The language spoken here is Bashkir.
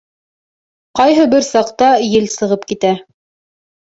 Ҡайһы бер саҡта ел сығып китә.